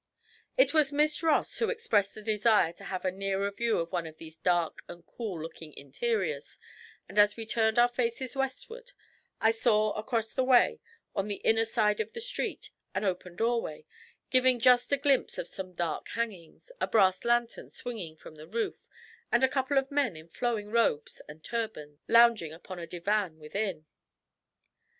It was Miss Ross who expressed a desire to have a nearer view of one of these dark and cool looking interiors, and as we turned our faces westward I saw across the way, on the inner side of the street, an open doorway, giving just a glimpse of some dark hangings, a brass lantern swinging from the roof, and a couple of men in flowing robes and turbans, lounging upon a divan within.